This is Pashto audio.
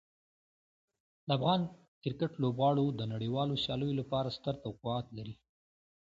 د افغان کرکټ لوبغاړو د نړیوالو سیالیو لپاره ستر توقعات لري.